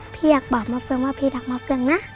พี่อยากบาปมะเฟืองว่าพี่ทักมาเฟืองนะ